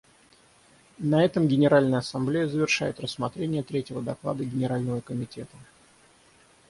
На этом Генеральная Ассамблея завершает рассмотрение третьего доклада Генерального комитета.